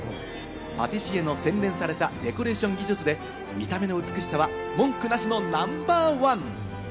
パティシエの洗練されたデコレーション技術で、見た目の美しさは文句なしのナンバーワン。